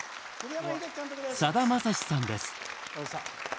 さだまさしさんです。